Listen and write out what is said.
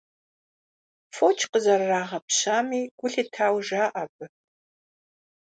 Фоч къызэрырагъэпщами гу лъитауэ жаӏэ абы.